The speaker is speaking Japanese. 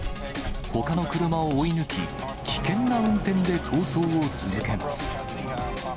ほかの車を追い抜き、危険な運転で逃走を続けます。